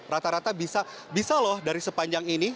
rata rata bisa loh dari sepanjang ini